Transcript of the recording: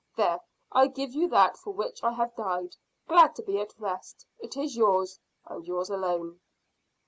There, I give you that for which I have died, glad to be at rest. It is yours, and yours alone.'